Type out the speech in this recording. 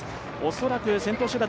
恐らく先頭集団